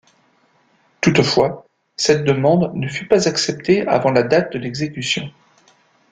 Toutefois, cette demande ne fut pas acceptée avant la date de l'exécution.